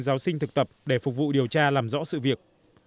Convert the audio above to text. giáo sinh thực tập để phục vụ điều tra làm rõ sự việc